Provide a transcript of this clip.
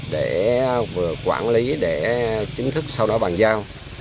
để vừa quản lý để chính thức sau đó bàn giao